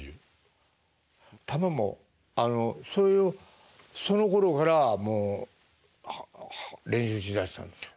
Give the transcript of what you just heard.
球もあのそういうそのころからもう練習しだしたんですか？